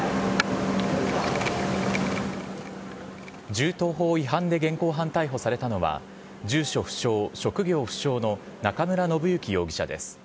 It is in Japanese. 銃刀法違反で現行犯逮捕されたのは、住所不詳、職業不詳の中村信之容疑者です。